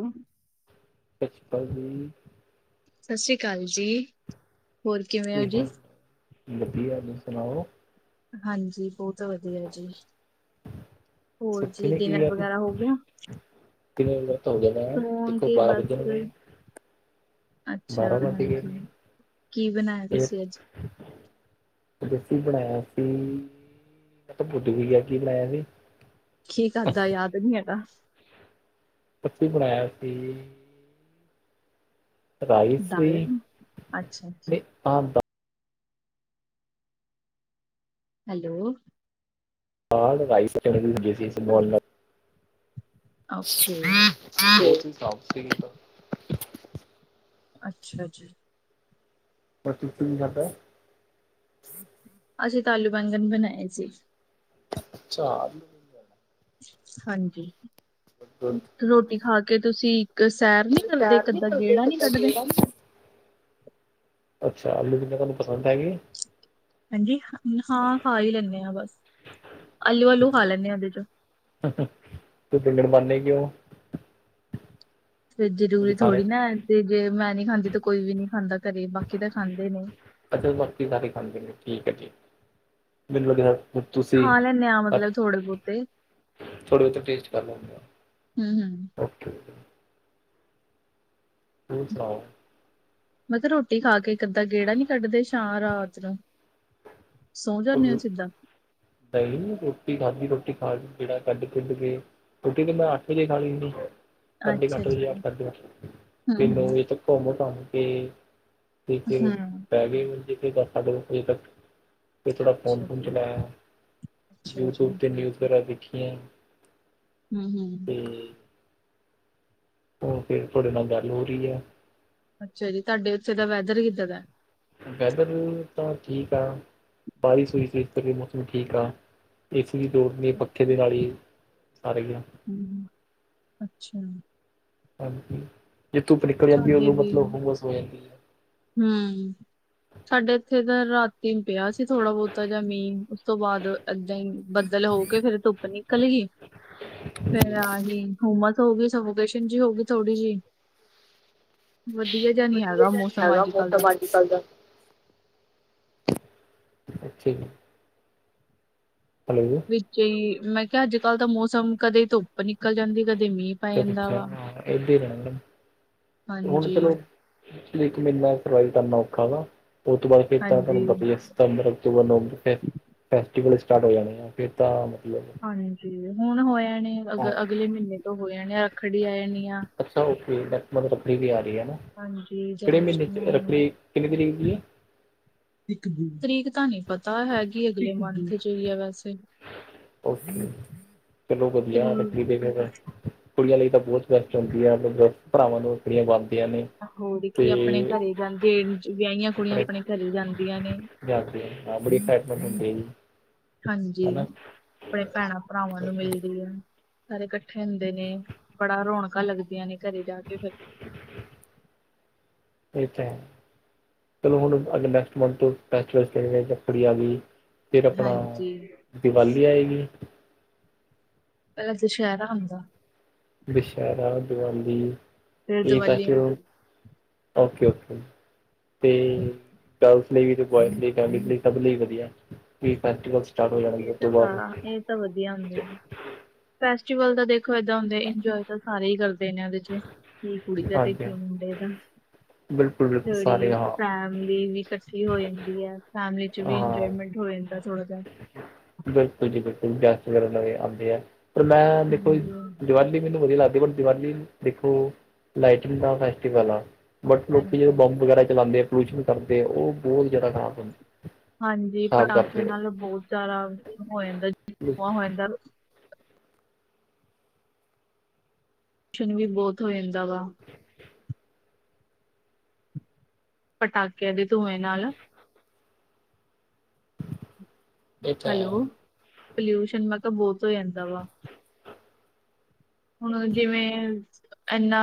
ਸਤਿ [unintelligible] ਸਸੀ ਕਾਲ ਜੀ। ਹੋਰ ਕਿਵੇਂ ਹੋ ਜੀ? ਠ ਵਧੀਆ। ਤੁਸੀਂ ਸੁਣਾਓ? ਹਾਂਜੀ, ਬੋਤ ਵਧੀਆ ਜੀ। ਹੋਰ ਸੁੱਤੀ ਜੀ, ਨੀ ਕੀ ਡਿਨਰ ਗੱਲ ਵਗੈਰਾ ਹੋ ਗਿਆ। ਕਿੰਨੇ ਵਰ ਤਾਂ ਹੋ ਜਾਣਾ। ਦੇਖੋ ਹੋਣਗੇ ਬਾਰਾਂ ਵਜਨ ਬਸ। ਵਾਲੇ। ਅੱਛਾ। ਬਾਰਾਂ ਵੱਜ ਗਏ ਹਾਂਜੀ ਨੇ ਕੀ ਬਣਾਇਆ ਇਹ ਤੁਸੀਂ ਅੱਜ? ਦੇਸੀ ਬਣਾਇਆ ਸੀ। ਮੈਂ ਤੇ ਭੁੱਲ ਵੀ ਗਿਆ ਕੀ ਬਣਾਇਆ ਸੀ। ਕੀ ਖਾਦਾ, ਯਾਦ ਨਹੀਂ ਹੈਗਾ। ਅਸੀਂ ਬਣਾਇਆ ਸੀ। ਰਾਈਸ ਦਾਲ ਸੀ ਅੱਛਾ। ਤੇ ਆਮ ਦਾ ਹੈਲੋ। ਹਾਈ ਸੀ [unintelligible] ਓਕੇ। ਸ ਸੀ [unintelligible] ਅੱਛਾ ਜੀ। ਪਰ ਤੁਸੀਂ ਕੀ ਖਾਦਾ? ਅਸੀਂ ਤਾ ਆਲੂ, ਬੰਗਣ ਬਣਾਏ ਸੀ। ਅੱਛਾ। ਹਾਂਜੀ, ਮਟਰ ਰੋਟੀ ਖਾ ਕੇ ਤੁਸੀਂ ਸੈਰ ਨਹੀਂ ਕਰਦੇ, ਵਿਚਾਰ ਇਕ, ਨੀ ਅੱਧਾ ਕਰਦੇ ਗੇੜਾ ਨਹੀਂ ਕਦਾ ਕੱਢਦੇ। ਕਿਹੜਾ ਅੱਛਾ ਆਲੂ ਵਗੈਰਾ ਤੁਹਾਨੂੰ ਪਸੰਦ ਹੈਗੇ। ਹਾਂਜੀ, ਹਾਂ ਖਾ ਹੀ ਲੈਂਦੇ ਹਾਂ ਬਸ, ਆਲੂ, ਆਲੂ ਖਾ ਲੈਂਦੇ ਹਾਂ ਉਹਦੇ ਚ। ਤੇ ਫੇਰ ਬਨਾਨੇ ਕਿਉਂ ਹੋ। ਫੇਰ ਤੁਸੀਂ ਜ਼ਰੂਰੀ ਖਾਣੇ ਥੋੜੀ ਨਾ ਤੇ, ਜੇ ਮੈਂ ਨਹੀਂ ਖਾਂਦੀ ਤਾਂ ਕੋਈ ਵੀ ਨਹੀਂ ਖਾਂਦਾ ਘਰੇ, ਬਾਕੀ ਤਾਂ ਖਾਂਦੇ ਨੇ। ਅੱਛਾ ਬਾਕੀ ਸਾਰੇ ਖਾ ਲੈਂਦੇ ਹੈ। ਠੀਕ ਹੈ, ਠੀਕ ਮੈਨੂੰ ਲੱਗਾ ਖਾ ਲੈਦੇ ਆ ਮਤਲਬ ਥੋੜੇ ਬਹੁਤੇ। ਥੋੜੀ ਬਹੁਤੇ ਟੈਸਟ ਕਰ ਲੈਂਦੇ ਆ। ਹੂੰ ਹੂੰ ਓਕੇ ਓਕੇ। ਹੋਰ ਸੁਣਾਓ? ਮੈਂ ਕਿਹਾ ਰੋਟੀ ਖਾ ਕੇ ਇਕ, ਅੱਧਾਂ ਗੇੜਾ ਨਹੀਂ ਕੱਢਦੇ ਸ਼ਾਂ ਰਾਤ ਨੂੰ। ਸੌ ਜਾਂਦੇ ਹੋ ਸਿੱਦਾਂ। ਨਹੀਂ ਰੋਟੀ ਖਾਧੀ, ਰੋਟੀ ਖਾ ਕੇ ਗੇੜਾ ਕੱਢ ਕੇ ਤੇ ਫੇਰ। ਰੋਟੀ ਤੇ ਮੈਂ ਅੱਠ ਵਜੇ ਖਾ ਲੈਂਦੀ ਹੈ। ਸਾਢੇ ਕ ਅੱਛਾ ਅੱਠ ਜੀ ਵਜੇ, ਹੂੰ ਸਾਢੇ ਅੱਠ, ਹੂੰ ਨੌ ਵਜੇ ਤੱਕ ਘੁੰਮ ਘਮ ਕੇ ਤੇ ਫੇਰ ਹੂੰ ਪੈ ਚਾਹੀਦਾ ਦਸ ਸਾਡੇ ਦਸ ਵਜੇ ਤੱਕ। ਫੇਰ ਥੋੜਾ ਫੋਨ- ਅੱਛਾ ਫੋਨ ਜੀ ਚਲਾਇਆ ਅੱਛਾ ਜੀ ਯੂਟਿਊਬ ਤੇ ਨਿਊਜ਼ ਵਗੈਰਾ ਦੇਖ ਦੇਆਂ। ਹੂੰ- ਹੂੰ। ਹੂੰ-ਹੂੰ। ਹੋਰ ਫੇਰ ਤੁਹਾਡੇ ਨਾਲ ਗੱਲ ਹੋ ਰਹੀ ਹੈ। ਅੱਛਾ ਜੀ, ਤੁਹਾਡੇ ਉੱਥੇ ਦਾ ਵੈਦਰ ਕਿੱਦਾਂ ਦਾ ਹੈ? ਵੈਦਰ ਤਾਂ ਠੀਕ ਆ। ਬਾਰਿਸ਼ ਹੋਈ ਸੀ ਇਸ ਕਰਕੇ ਮੌਸਮ ਠੀਕ ਆ। ਏ ਸੀ ਦੀ ਲੋੜ ਨੀ ਪੱਖੇ ਦੇ ਨਾਲ ਹੀ ਸਾਰ ਗਿਆ। ਹੂੰ, ਅੱਛਾ। ਹਾਂਜੀ, ਜੇ ਧੁੱਪ ਨਿਕਲ ਜਾਂਦੀ, ਸਾਡੇ ਉਦੋਂ ਵੀ ਮਤਲਬ ਹੂਮਸ ਹੋ ਜਾਂਦੀ ਹੈ। ਹੂੰ, ਸਾਡੇ ਇੱਥੇ ਤਾਂ ਰਾਤ। ਇੱਕ ਦਿਨ ਪਿਆ ਸੀ ਥੋੜਾ ਬਹੁਤਾ ਜਾਂ ਮੀਂਹ। ਉਸ ਤੋਂ ਬਾਅਦ ਏਦਾਂ ਹੀ ਬੱਦਲ ਹੋ ਕੇ ਫੇਰ ਧੁੱਪ ਨਿਕਲ ਗਈ। ਹ [inaudible] ਫੇਰ ਜੀ ਨਾਲ ਹੀ ਹੂਮਸ ਹੋ ਗਈ ਸਵੋਕੇਸ਼ਨ ਜਿ ਹੋਗੀ ਥੋੜੀ ਜਿ। ਵਧੀਆ ਜਿਹਾ ਨਹੀਂ ਵਧੀਆ ਹੈਗਾ ਜਿਹਾ ਮੌਸ ਨਹੀਂ ਹੈਗਾ ਮੌੋਸਮ ਅੱਜ ਕੱਲ ਦਾ। ਅੱਛੇ ਨੇ। ਹੈਲੋ। ਵਿੱਚ ਹੀ ਮੈਂ ਕਿਹਾ ਅੱਜ ਕੱਲ੍ਹ ਤਾਂ ਮੌਸਮ ਕਦੇ ਧੁੱਪ ਨਿਕਲ ਜਾਂਦੀ ਕਦੇ ਮੀਂਹ ਪੈ ਜਾਂਦਾ ਅਛਾ ਵਾ ਹਾਂ ਏਦਾਂ ਹੀ ਰਹਿ ਹੁਣ ਹਾਂਜੀ ਚਲੋ ਇੱਕ ਮਹੀਨਾ ਸਰਵਾਈਵ ਕਰਨਾ ਔਖਾ ਵਾ ਉਹ ਤੋਂ ਬਾਅਦ ਫੇਰ ਤਾਂ ਹਾਂਜੀ ਤੁਹਾਨੂੰ ਪਤਾ ਹੀ ਹੈ ਸਤੰਬਰ ਅਕਤੂਬਰ ਨਵੰਬਰ ਫੈਸਟੀਵਲ ਸਟਾਰਟ ਹੋ ਜਾਣੇ ਆ ਫਿਰ ਤਾਂ ਮਤਲਬ ਹਾਂਜੀ ਹੁਣ ਹੋ ਜਾਣੇ ਨੇ ਅਗ ਅਗਲੇ ਮਹੀਨੇ ਤੋਂ ਹੋ ਜਾਣੇ ਆ ਰੱਖੜੀ ਆ ਜਾਣੀ ਆ। ਅੱਛਾ ਓਕੇੈ, ਮਲਬ ਰੱਖੜੀ ਵੀ ਆ ਰਹੀ ਹੈ ਨਾ। ਹਾਂਜੀ ਕਿਹੜੇ ਮਹੀਨੇ ਜਨਮਸ਼ਟਮੀ ਆ ਜਾਣੀ ਰੱਖੜੀ ਕਿੰਨੀ ਤਰੀਕ ਦੀ ਹੈ। ਤਰੀਕ ਤਾਂ ਨਹੀਂ ਪਤਾ, ਹੈਗੀ ਅਗਲੇ ਮੰਥ ਚ ਹੀ ਹੈ ਵੈਸੇ। ਚਲੋ ਵਧੀਆ ਰੱਖੀ ਤਰੀਕ ਦੇ ਫ ਫ [unintelligible] ਕੁੜੀਆਂ ਲਈ ਤਾਂ ਬਹੁਤ ਬੈਸਟ ਹੁੰਦੀ ਹੈ ਮਤਲਬ ਭਰਾਵਾਂ ਨੂੰ ਰੱਖੜੀ ਬਣਦੀਆਂ ਨੇ ਹੋਰ ਤੇ ਕੀ ਆਪਣੇ ਘਰੇ ਜਾਂਦੇ ਵਿਆਹੀਆਂ ਕੁੜੀਆਂ ਆਪਣੇ ਘਰੇ ਜਾਂਦੀਆਂ ਨੇ ਜਾ ਕੇ ਬੜੀ ਖੈਮ ਹੁੰਦੀ ਜੀ [unintelligible] ਹਾਂਜੀ, ਹਨਾ ਆਪਣੇ ਭੈਣਾਂ ਭਰਾਵਾਂ ਨੂੰ ਮਿਲਦੀ ਹੈ। ਸਾਰੇ ਇਕੱਠੇ ਹੁੰਦੇ ਨੇ ਬੜਾ ਰੌਣਕਾਂ ਲੱਗਦੀਆਂ ਨੇ ਘਰੇ ਜਾ ਕੇ ਫਿਰ। ਇਹ ਤਾ ਹੈ। ਚਲੋ ਹੁਣ ਅੱ ਨੈਕਸਟ ਮੰਥ ਤੋ ਫੈਸਟੀਵਲ ਤੇ ਰਖੜੀ ਆ ਗਈ। ਫਿਰ ਆਪਣਾ ਹਾਂਜੀ ਦੀਵਾਲੀ ਆਏਗੀ। ਪਹਿਲਾਂ ਦੁਸਹਿਰਾ ਹੁੰਦਾ। ਦੁਸਹਿਰਾ ਦਿਵਾਲੀ ਫਿਰ ਇਹ ਦੀਵਾਲੀ ਫੈਸਟੀਵਲ ਆਉਂਦੀ ਹ ਓਕੇ ਓਕੇ ਤੇ ਗੱਲ ਵੀ ਬ ਫੈਮ ਲਈ ਸਭ ਲਈ ਵਧੀਆ ਵੀ ਫੈਸਵਲ ਸਟਾਰਟ ਹੋ ਇਹ ਜਾਣਾ ਤਾਂ ਤੋਂ ਬਾਅਦ ਸਾਰਾ ਇਹ ਤਾਂ ਵਧੀਆ ਹੁੰਦੇ ਆ। ਫੈਸਟੀਵਲ ਤਾਂ ਦੇਖੋ ਏਦਾਂ ਹੁੰਦਾ ਇੰਜੋਏ ਤਾਂ ਸਾਰੇ ਹੀ ਕਰਦੇ ਨੇ ਉਹਦੇ ਚ ਕੀ ਕੁੜੀ ਦਾ ਤੇ ਹਾਂਜੀ ਕੀ ਹਾਂ। ਮੁੰਡੇ ਦਾ ਬਿਲਕੁਲ ਬਿਲਕੁਲ [unintelligible] ਸਾਰੇ ਹਾਂ ਫੈਮਲੀ ਵੀ ਇਕੱਠੀ ਹੋ ਜਾਂਦੀ ਹੈ ਫੈਮਿਲੀ ਚ ਵੀ ਹਾਂ ਇੰਜੋਏਮੈਂਟ ਹੋ ਜਾਂਦਾ ਥੋੜਾ ਜਿਹਾ। ਬਿਲਕੁਲ ਜੀ ਬਿਲਕੁਲ ਵਿਸ ਵਗੈਰਾ ਨਵੇਂ ਆਉਂਦੇ ਆ ਪਰ ਮੈਂ ਦੇਖੋ ਜੀ ਹਾਂਜੀ ਦੀਵਾਲੀ ਮੈਨੂੰ ਵਧੀਆ ਲੱਗਦੀ। ਦੀਵਾਲੀ ਦੇਖੋ ਲਾਈਟਿੰਗ ਦਾ ਫੈਸਟੀਵਲ ਆ ਬਟ ਲੋਕੀ ਜਦੋਂ ਹਾਂਜੀ ਬੰਬ ਵਗੈਰਾ ਚਲਾਉਂਦੇ। ਪਲੁਸ਼ਨ ਕਰਦੇ ਉਹ ਬਹੁਤ ਜ਼ਿਆਦਾ ਖਰਾਬ ਹੁੰਦਾ ਹਾਂਜੀ ਪਟਾਕੇੇ ਨਾਲ ਬਹੁਤ ਜ਼ਿਆਦਾ ਹੋ ਜਾਂਦਾ ਆ ਹੋ ਜਾਂਦਾ ਵੀ ਬਹੁਤ ਹੋ ਜਾਂਦਾ ਵਾ ਪਟਾਕਿਆਂ ਦੇ ਧੂੰਏ ਨਾਲ ਇਹ ਤਾਂ ਹੈ ਹੈਲੋ, ਪਲਿਊਸ਼ਨ ਮੈਂ ਕਿਹਾ ਬਹੁਤ ਹੋ ਜਾਂਦਾ ਵਾ ਹੁਣ ਜਿਵੇਂ ਇਨਾ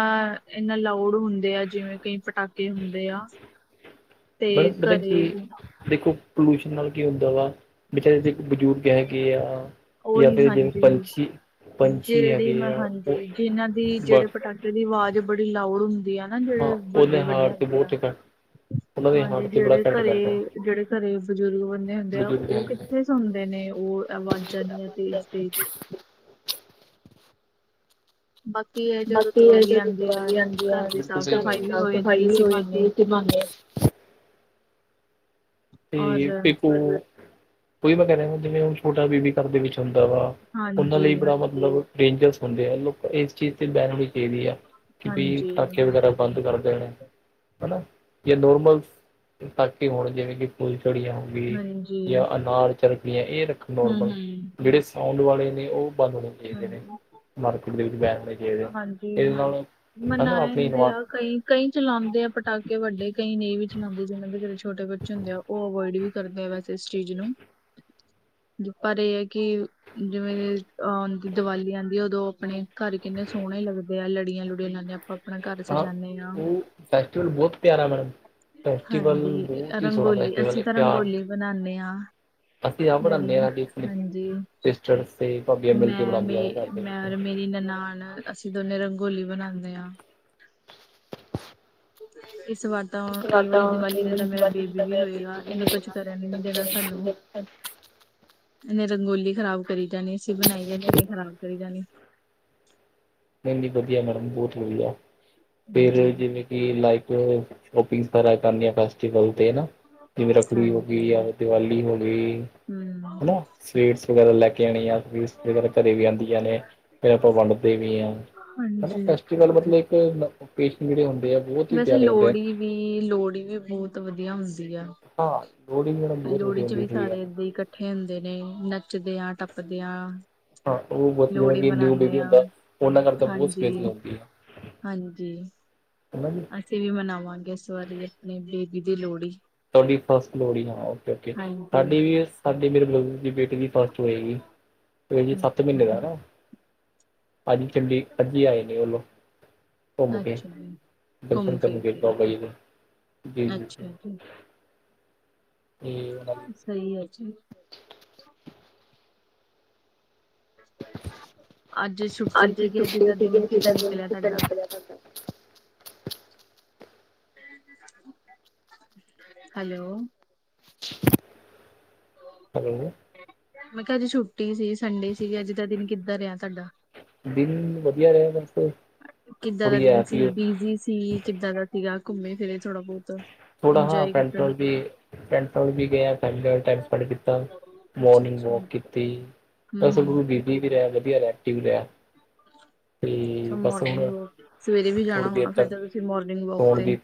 ਇੰਨਾ ਲਾਊਡ ਹੁੰਦੇ ਆ ਜਿਵੇਂ ਕਈ ਪਟਾਕੇ ਹੁੰਦੇ ਆ ਤੇ ਮੈਡਮ ਪਤਾ ਘਰੇ ਕੀ ਜ ਦੇਖੋ ਪੋਲਿਊਸ਼ਨ ਨਾਲ ਕੀ ਹੁੰਦਾ ਵਾ ਵਿਚਾਰੇ ਦੇ ਬਜ਼ੁਰਗ ਹੈਗੇ ਆ। ਜਾਂ ਉਹੀ ਫਿਰ ਜਿਵੇਂ ਹਾਂਜੀ ਪੰਛੀ ਪੰਛੀ ਜਿਹੜੀ ਹੈਗੇ ਮੈਂ ਆ ਉਹ ਹਾਂਜੀ ਜਿਨਾਂ ਦੀ ਜਿਹੜੇ ਬਸ ਪਟਾਕੇ ਦੀ ਆਵਾਜ਼ ਬੜੀ ਲਾਊਡ ਹੁੰਦੀ ਆ ਨਾ ਜਿਹੜੇ ਹਾਂ ਵੱਡੇ ਉਹਦੇ ਵੱਡੇ ਹਾਰਟ ਤੇ ਹੁੰਦੇ ਆ ਬਹੁਤ ਇਫੈਕਟ ਉਹਨਾਂ ਦੇ ਹਾਰਟ ਹਾਂਜੀ, ਤੇ ਬੜਾ ਜਿਹੜੇ ਇਫੈਕਟ ਘਰੇ ਕਰਦਾ ਜਿਹੜੇ ਘਰੇ ਬਜ਼ੁਰਗ ਬੰਦੇ ਹੁੰਦੇ ਆ ਬਜ਼ੁਰਗ ਉਹ ਹੈਗੇ ਆ ਕਿੱਥੇ। ਸੁਣਦੇ ਨੇ ਉਹ ਆਵਾਜ਼ਾਂ ਦੀ ਤੇਜ ਫਟਾਫਟ ਤੇਜ ਬਾਕੀ ਇਹ ਜਦੋਂ ਬਾਕੀ ਇਹ ਦੀਵਾਲੀ ਜਦੋਂ ਆਉਂਦੀ ਆ ਦੀਵਾਲੀ ਆਉਂਦੀ ਆ ਦੀ ਸਾਫ਼ ਘਰ ਸਫ਼ਾਈ ਦੀ ਵੀ ਸਾਫ਼ ਹੋ ਜਾਂਦੀ ਸਫ਼ਾਈ ਵੀ ਇਸੀ ਹੋ ਜਾਂਦੀ ਬਹਾਨੇ ਇਸੀ ਬਹਾਨੇ। ਤੇ ਔਰ ਦੇਖੋ ਕੋਈ ਮੈਂ ਕਹਿ ਰਿਹਾ ਜਿਵੇਂ ਹੁਣ ਛੋਟਾ ਬੇਬੀ ਘਰ ਦੇ ਵਿੱਚ ਹੁੰਦਾ ਵਾ। ਉਹਨਾਂ ਹਾਂਜੀ ਲਈ ਬੜਾ ਮਤਲਬ ਡੇਂਜਰਸ ਹੁੰਦੇ ਆ ਲੋਕ ਇਸ ਚੀਜ਼ ਤੇ ਬਹਿਨ ਹੋਣੀ ਚਾਹੀਦੀ ਹੈ ਕਿ ਬਈ ਹਾਂਜੀ ਪਟਾਕੇ ਵਗੈਰਾ ਬੰਦ ਕਰ ਦੇਣੇ ਹਨਾ ਜੇ ਨੋਰਮਲ ਤੱਕ ਹੋਣ ਜਿਵੇਂ ਕਿ ਫੁਲਝੜੀਆਂ ਹੋ ਗਈ ਹਾਂਜੀ ਜਾਂ ਅਨਾਰ ਝਰਕੜੀਆਂ ਇਹ ਰੱਖ ਹਮ ਨੋਰਮਲ ਜਿਹੜੇ ਸਾਊਂਡ ਵਾਲੇ ਨੇ ਉਹ ਬੰਦ ਹੋ ਜਾਣ। ਹਾਂਜੀ। ਚਾਹੀਦੇ ਇਹਦੇ ਹਾਂਜੀ ਨਾਲ ਹਨਾ ਆਪਣੀ ਮਨਾਉਂਦੇ ਇਨਵਾ ਆ ਕਈ। ਕਈ ਚਲਾਉਂਦੇ ਆ ਪਟਾਕੇ ਵੱਡੇ ਕਈ ਨਹੀਂ ਵੀ ਚਲਾਉਂਦੇ ਜਿਹਨਾਂ ਦੇ ਘਰੇ ਛੋਟੇ ਬੱਚੇ ਹੁੰਦੇ ਆ ਉਹ ਉਹ ਅਵੋਇਡ ਵੀ ਕਰਦੇ ਆ, ਵੈਸੇ ਇਸ ਚੀਜ਼ ਨੂੰ ਪਰ ਇਹ ਹੈ ਕਿ, ਜਿਵੇਂ ਅਹ ਦੀਵਾਲੀ ਆਉਂਦੀ ਉਦੋਂ ਆਪਣੇ ਘਰ ਕਿੰਨੇ ਸੋਹਣੇ ਲੱਗਦੇ ਆ, ਲੜੀਆਂ ਲੁੜੀਆਂ ਲਾਇਆ। ਆਪਾਂ ਆਪਣਾ ਘਰ ਤਾਂ ਸਜਾਦੇ ਆਂ ਉਹ ਫੈਸਟੀਵਲ ਬਹੁਤ ਪਿਆਰਾ ਮੈਡਮ ਫੈਸਟੀਵਲ ਹਾਂਜੀ ਬਹੁਤ ਹੀ ਸੋਹਣਾ ਰੰਗੋਲੀ, ਫੈਸਟੀਵਲ ਅਸੀਂ ਹੈ ਤਾਂ ਪਿਆਰ ਰੰਗੋਲੀ ਬਣਾਦੇ ਹਾਂ ਲੜੀਆ, ਹਾਂਜੀ ਪਿਸਟਲ ਸੇਫ ਆ। ਮੈਂ ਮੇ ਮੈਂ ਔਰ ਮੇਰੀ ਨਨਾਣ ਅਸੀਂ ਦੋਨੇ ਰੰਗੋਲੀ ਬਣਾਉਂਦੇ ਹਾਂ। ਇਸ ਵਾਰ ਤਾਂ ਇਸ ਤੋਂ ਬਾਅਦ ਇਹ ਵਾਲੀ ਤਾਂ ਦੀਵਾਲੀ ਕਈ ਦੇ ਵਾਰੀ ਤਾਂ ਮੇਰਾ ਦੀਵਾਲੀ ਦੀ ਬੇਬੀ ਤਾਂ ਵੀ ਮੇਰਾ ਪੇਟ ਹੋਏਗਾ, ਵੀ ਇਨੇ ਕੁਛ ਕਰਨ ਨ ਨੀ ਦੇਣਾ ਸਾਨੂੰ। ਇਹਨੇ ਰੰਗੋਲੀ ਖ਼ਰਾਬ ਕਰੀ ਜਾਣੀ, ਅਸੀਂ ਬਣਾਈ ਜਾਣੀ ਐਨੇ ਹੋਏਗਾ ਖ਼ਰਾਬ ਕਰੀ ਜਾਣੀ। ਨਹੀਂ ਨਹੀਂ ਵਧੀਆ ਮੈਡਮ, ਬਹੁਤ ਵਧੀਆ, ਫੇਰ ਹਾਂਜੀ ਜਿਵੇਂ ਕਿ ਲਾਈਕ ਸ਼ੋਪਿੰਗ ਤਿਆਰੀਆਂ ਕਰਨੇ ਆ ਫੈਸਟੀਵਲ ਤੇ ਹੈਨਾ, ਜਿਵੇਂ ਰੱਖੜੀ ਹੋ ਹਾਂਜੀ ਗਈ ਆ ਦੀਵਾਲੀ ਹੋ ਗਈ। ਹਮ ਹੈਨਾ ਸਵੀਟਸ ਵਗੈਰਾ ਲੈ ਕੇ ਆਉਣੀ ਆ, ਸਵੀਟਸ ਵਗੈਰਾ ਘਰੇ ਵੀ ਆਉਂਦੀਆਂ ਨੇ, ਫਿਰ ਆਪਾਂ ਵੰਡਦੇ ਵੀ ਹਾਂ। ਹੈਨਾ ਹਾਂਜੀ ਫੈਸਟੀਵਲ ਮਤਲਬ ਇੱਕੇ ਜਿਹੜੇ ਹੁੰਦੇ ਆ, ਬਹੁਤ ਹੀ ਵੈਸੇ ਪਿਆਰੇ ਹੁੰਦੇ ਆ। ਲੋਹੜੀ ਵੀ ਲੋਹੜੀ ਵੀ ਬਹੁਤ ਵਧੀਆ ਹੁੰਦੀ ਸੀ। ਵਧੀਆ, ਹਾਂ ਲੋਹੜੀ ਮੈਡਮ ਬਹੁਤ ਲੋਹੜੀ ਵਧੀਆ ਚ ਹੁੰਦੀ ਵੀ ਸਹੀ ਗੱਲ ਸਾਰੇ ਏਦਾਂ ਹੀ ਇਕੱਠੇ ਇਕੱਠੇ ਹੁੰਦੇ ਨੇ, ਨੱਚਦੇ ਆਂ, ਟੱਪਦੇ ਆਂ ਹਾਂ। ਉਹ ਬ ਜਿਵੇਂ ਕਿ ਨਿਊ ਬੇਬੀ ਹੁੰਦਾ, ਉਹਨਾਂ ਕਰ ਤਾਂ ਬਹੁਤ ਹਾਂਜੀ, ਸਪੇਸ ਲਾਉਂਦੀ ਆ ਹਾਂਜੀ। ਹੈ ਨਾ ਜੀ। ਅਸੀਂ ਵੀ ਮਨਾਵਾਂਗੇ, ਇਸ ਵਾਰੀ ਆਪਣੀ ਬੇਬੀ ਦੀ ਲੋਹੜੀ। ਤੁਹਾਡੀ ਫਸਟ ਲੋੜਹੀ ਹਾਂ, ਔਕੇ, ਔਕੇ ਹਾਂਜੀ। ਸਾਡੀ ਵੀ ਸਾਡੀ ਮੇਰੇ ਬੇਟੀੇ ਦੀ ਫਸਟ ਹੋਏਗੀ, ਇਹ ਜੀ ਸੱਤ ਮਹੀਨੇ ਦਾ ਹੈਨਾ। ਹਾਂਜੀ, ਚੰਡੀ ਅੱਜ ਹੀ ਆਏ ਨੇ ਔ ਲੋਂ। ਘੁੰਮ ਅੱਛਾ ਕੇ, ਅੱਛਾ ਜੀ, ਦਰਸ਼ਨ ਘੁੰਮ ਫਿਰ ਕਰਨਗੇ ਕੇ ਬਾਬਾ ਜੀ ਦੇ, ਜੀ- ਜੀ- ਜੀ। ਤੇ ਉਹਨਾਂ ਦੀ ਸਹੀ ਹੈ ਜੀ। ਅੱਜ ਛੁੱਟੀ ਸੀਗੀ। ਅੱਜ ਛੁੱਟੀ ਦਾ ਦਿਨ ਸੀਗੀ ਅਸੀਂ ਕਿੱਦਾਂ ਦਾ ਦਿਨ ਨਿਕਲਿਆ ਕਿੱਦਾਂ ਤੁਹਾਡਾ। ਨਿਕਲਿਆ ਤੁਹਾਡਾ ਹੈਲੋ, ਹੈਲੋ, ਮੈਂ ਕਿਹਾ ਅੱਜ ਛੁੱਟੀ ਸੀ, ਸੰਡੇ ਸੀ, ਅੱਜ ਦਾ ਦਿਨ ਕਿੱਦਾਂ ਰਿਹਾ ਤੁਹਾਡਾ? ਦਿਨ ਵਧੀਆ ਰਿਹਾ ਦਾ ਕਿੱਦਾਂ ਦਾ ਦਿਨ ਸੀ, ਬਿਜੀ ਸੀ, ਕਿੱਦਾਂ ਦਾ ਸੀਗਾ, ਘੁੰਮੇ ਫਿਰੇ ਥੋੜਾ -ਬਹੁਤ? ਥੋੜਾ ਹਾ, ਇੰਜੋਏ ਪੇਂਟ ਕੀਤਾ ਹਾਊਸ ਵੀ ਗਿਆ, ਪੇਂਟ ਹਾਊਸ ਟਾਈਮ ਸਪੈਂਡ ਕੀਤਾ ਅੱਛਾ ਮੋਰਨਿੰਗ ਅੱਛਾ ਵਾਕ ਕੀਤੀ। ਹੂੰ ਹੂੰ ਦਰਅਸਲ ਬਿਜ਼ੀ ਵੀ ਰਿਹਾ ਵਧੀਆ, ਐਕਟਿਵ ਰਿਹਾ। ਤੇ ਅੱਛਾ ਬਸ ਮੋਰਨਿੰਗ ਹੁਣ, ਵੋਕ ਸਵੇਰੇ ਵੀ ਜਾਣਾ ਥੋੜੀ ਦੇਰ ਹੋਣਾ ਤਾ, ਫਿਰ ਤਾਂ ਤੁਸੀਂ ਮੋਰਨਿੰਗ ਵੋਕ ਸੋਣ ਤੇ। ਦੀ।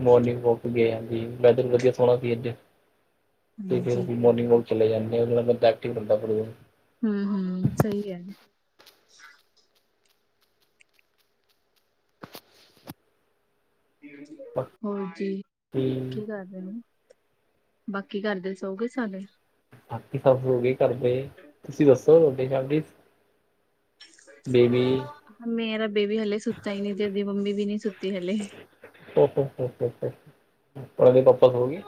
ਮੋਰਨਿੰਗ ਵਾਕ ਗਯਾ ਜੀ। ਵੈਦਰ ਵਧੀਆ ਸੋਹਣਾ ਸੀ ਅੱਜ, ਤੇ ਫਿਰ ਹਾਂਜੀ। ਅਸੀ ਮੋਰਨਿੰਗ ਵਾਕ ਚਲੇ ਜਾਂਦੇ ਉਹ ਬੰਦਾ, ਐਕਟਿਵ ਹੰਦਾ ਫਿਰ ਔ। ਹੂ ਹੂ ਸਹੀ ਹੈ ਜੀ। ਹੋਰ ਜੀ, ਬਾਕੀ ਕੀ ਕਰ ਬਾਕੀ ਘਰ ਦੇ ਸੋ ਗੇ ਸਾਰੇ। ਬਾਕੀ ਸਭ ਸੋ ਗਏ ਘਰ ਦੇ। ਤੁਸੀਂ ਦੱਸੋ, ਬਿਗ ਆਟੀ, ਬੇਬੀ। ਮੇਰਾ ਬੇਬੀ ਹਾਲੇ ਸੁੱਤਾ ਹੀ ਨੀ, ਤੇੇ ਏਦੀ ਮੰਮੀ ਵੀ ਨੀ ਸੁੱਤੀ ਹਾਲੇ। ਹੋ-ਹੋ-ਹੋ, ਰਾਣੀ, ਪਾਪਾ ਸੋ ਗਈ।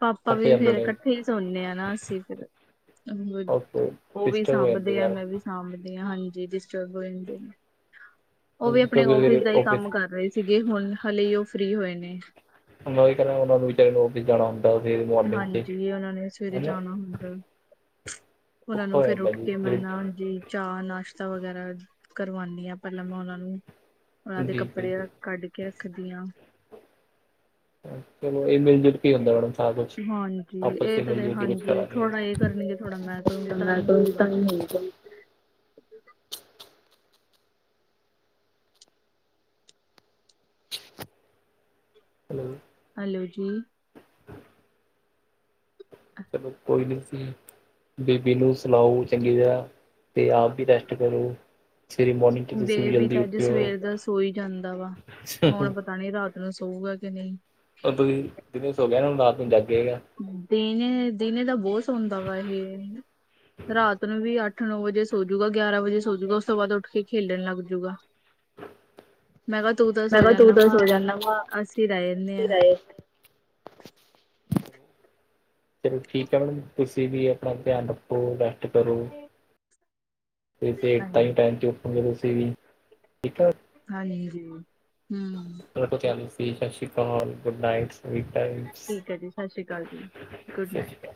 ਪਾਪਾ ਵੀ ਜਾਂਦੇ ਫੇਰ, ਨੇ ਇਕੱਠੇ ਹੀ ਸੌਨੇ ਹਾਂ ਨਾ ਅਸੀਂ, ਫਿਰ। ਓਕੇ ਉਹ ਵੀ ਡਿਸਟਰਬ ਹੋ ਜਾਂਦੇ ਸਾਂਭਦੇ ਆ, ਯਾਰ ਮੈਂ ਵੀ ਸਾਂਭਦੀ ਹਾਂ, ਹਾਂਜੀ ਡਿਸਟਰਬ ਹੋ ਜਾਂਦੇ। ਉਹ ਵੀ ਆਪਣੇ ਕਿਉਂਕਿ ਆਫਿਸ ਸਵੇਰੇ ਦਾ ਹੀ ਕੰਮ ਕਰ ਰਹੇ ਸੀਗੇ, ਹੁਣ ਹਾਲੇ ਉਹ ਫ੍ਰੀ ਹੋਏ ਨੇ। ਮੈਂ ਵੀ ਕਹਦਾ, ਉਹਨਾਂ ਨੂੰ ਵੀ ਆਫਿਸ ਜਾਣਾ। ਸਵੇਰੇ ਮਾਰਨਿੰਗ 'ਚ ਹੈ ਹਾਂਜੀ, ਉਹਨਾਂ ਨੇ ਸਵੇਰੇ ਨਾ ਜਾਣਾ ਹੁੰਦਾ। ਉਹਨਾ ਔਖਾ ਨੂੰ ਹੋ ਫਿਰ ਜਾਂਦਾ ਉੱਠ ਜੀ ਕੇ ਮੈਂ ਜੀ ਨਾਲ, ਜੀ। ਚਾਹ, ਨਾਸ਼ਤਾ ਵਗੈਰਾ ਕਰਵਾਉਂਦੀ ਹਾਂ, ਪਹਿਲਾਂ ਮੈਂ ਉਹਨਾਂ ਨੂੰ, ਉਹਨਾਂ ਦੇ ਜੀ ਕੱਪੜੇ ਜੀ ਕੱਢ ਕੇ ਰੱਖਦੀ ਹਾਂ। ਚਲੋ, ਇਹ ਮਿਲ-ਜੁਲ ਕੇ ਹੁੰਦਾ ਸਾਰਾ ਕੁਛ, ਹਾਂਜੀ ਆਪਸ ਚ' ਇਹ ਤਾਂ ਦੇ ਮਿਲ-ਜੁਲ ਕੇ ਕੁਛ ਹਾਂਜੀ ਕਰਾਂਗੇ। ਥੋੜਾ ਇਹ ਕਰਨਗੇ ਥੋੜਾ ਮੈਂ ਕਰੂੰਗੀ ਤਾਂ ਹੀ ਹੋਊਗਾ [unintelligible] ਹੇਲੋ ਹੈਲੋ ਜੀ ਚਲੋ, ਕੋਈ ਨੀ ਬੀਬੀ ਨੂੰ ਸੁਵੋਓ ਚੰਗੀ ਤਰਾਂ। ਤੇ ਆਪ ਵੀ ਰੈਸਟ ਕਰੋ। ਸਵੇਰੇ ਮੋਰਨਿੰਗ 'ਚ ਤੁਸੀਂ ਵੀ ਬੇਬੀ ਜਲਦੀ ਤਾਂ ਅੱਜ ਉੱਠਿਓ। ਸਵੇਰ ਦਾ ਸੋਈ ਜਾਂਦਾ ਵਾ। ਹੁਣ ਪਤਾ ਪਤਾ ਨਹੀਂ ਰਾਤ ਨੂੰ ਸਊਗਾ ਕਿ ਨਈ। ਉਹ ਤੁਸੀਂ ਦਿਨੇ ਸੋਵੇ ਹੋ ਗਾ ਰਾਤ ਨੂੰ ਜਾਗੇਗਾ। ਦਿਨੇ-ਦਿਨੇ ਦਾ ਬਹੁਤ ਸੌਦਾ ਵਾ ਇਹੇ। ਰਾਤ ਨੂੰ ਵੀ ਅੱਠ-ਨੌ ਵਜੇ ਸੋਜੂਗਾ, ਗਿਆਰਾਂ ਵਜੇ ਸੋਜੂਗਾ। ਉਸ ਤੋਂ ਬਾਅਦ ਉੱਠ ਕੇ ਖੇਲਣ ਲੱਗ ਜੂਗਾ। ਮੈਂ ਕਿਹਾ ਤੂੰ ਤਾਂ ਮੈਂ ਸੋ ਕਿਹਾ ਤੂੰ ਜਾਂਦਾ ਤਾਂ ਵਾ। ਸੋ ਜਾਂਦਾ ਵਾ ਅਸੀਂ ਰਹਿ ਜਾਂਨੇ ਆ। ਚਲੋ ਠੀਕ ਆ। ਮੈਡਮ ਤੁਸੀਂ ਵੀ ਆਪਣਾ ਧਿਆਨ ਰੱਖੋ, ਰੈਸਟ ਕਰੋ। ਹਾਂਜੀ ਟਾਈਮ ਤੇ ਉਠੋਗੇ ਤੁਸੀਂ ਵੀ ਠੀਕ ਆ? ਹਾਜੀ-ਹੂੰ ਸਤਿ ਸ਼ੀ ਕਾਲ ਗੁੱਡ ਨਾਈਟ। ਸਿ ਠੀਕ ਹੈ ਜੀ, ਸਤਿ ਸ਼੍ਰੀ ਅਕਾਲ ਜੀ, ਗੁੱਡ ਨਾਈਟ। ਸ਼੍ਰੀ ਅਕਾਲ